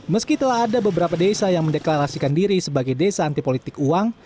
meski telah ada beberapa desa yang mendeklarasikan diri sebagai desa antipolitik uang